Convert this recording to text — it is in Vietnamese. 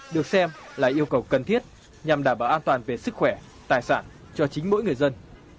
được xem là yêu cầu cần thiết nhằm đảm bảo an toàn về sức khỏe tài sản cho chính mỗi người dân